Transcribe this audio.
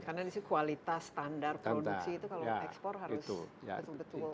karena disitu kualitas standar produksi itu kalau ekspor harus betul betul